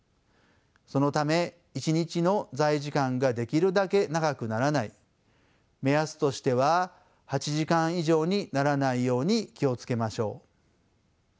そのため１日の座位時間ができるだけ長くならない目安としては８時間以上にならないように気を付けましょう。